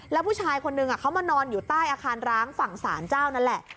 แล้วผู้ชายคนนึงเขามานอนอยู่ใต้อาคารร้างฝั่งสารเจ้านั่นแหละ